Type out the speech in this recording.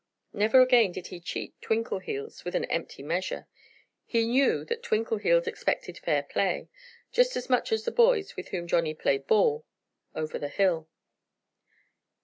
Never again did he cheat Twinkleheels with an empty measure. He knew that Twinkleheels expected fair play, just as much as the boys with whom Johnnie played ball, over the hill.